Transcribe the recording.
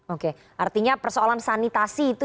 oke artinya persoalan sanitasi itu